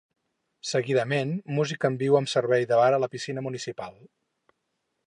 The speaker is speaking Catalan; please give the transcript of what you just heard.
Seguidament, música en viu amb servei de bar a la piscina municipal.